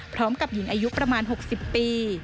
พร้อมกับหญิงอายุประมาณ๖๐ปี